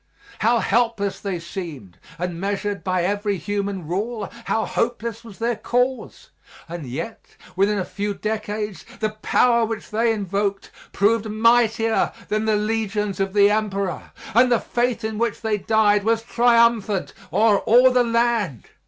How helpless they seemed, and, measured by every human rule, how hopeless was their cause! And yet within a few decades the power which they invoked proved mightier than the legions of the emperor and the faith in which they died was triumphant o'er all the land.